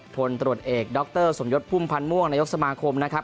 ผลตรวจเอกดรสมยศพุ่มพันธ์ม่วงนายกสมาคมนะครับ